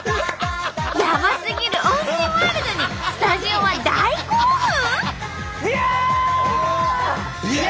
やばすぎる温泉ワールドにスタジオは大興奮！？